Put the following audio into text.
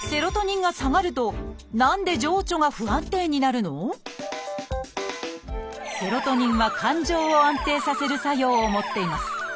その原因はセロトニンは感情を安定させる作用を持っています。